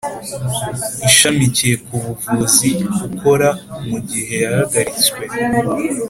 Ishamikiye ku buvuzi ukora mu gihe yahagaritswe